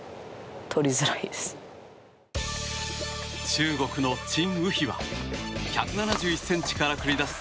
中国のチン・ウヒは１７１ｃｍから繰り出す